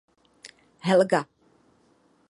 Helga.